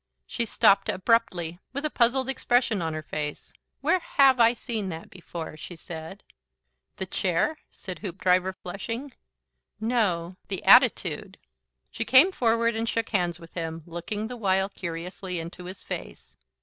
She stopped abruptly, with a puzzled expression on her face. "Where HAVE I seen that before?" she said. "The chair?" said Hoopdriver, flushing. "No the attitude." She came forward and shook hands with him, looking the while curiously into his face.